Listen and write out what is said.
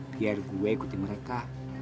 biar gue ikuti mereka